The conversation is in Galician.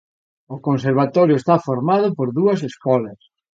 O Conservatorio está formado por dúas escolas.